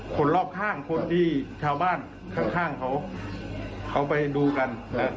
คนรอบข้างคนที่ชาวบ้านข้างเขาเขาไปดูกัน